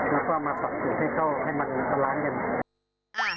แล้วก็เอามาปรับสูตรให้เข้าให้มันกำลังกัน